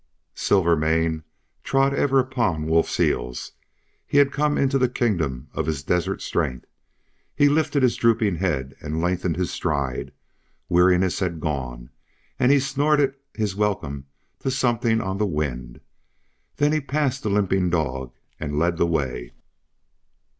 Silvermane trod ever upon Wolf's heels; he had come into the kingdom of his desert strength; he lifted his drooping head and lengthened his stride; weariness had gone and he snorted his welcome to something on the wind. Then he passed the limping dog and led the way.